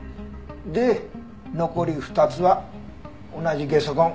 で残り２つは同じゲソ痕。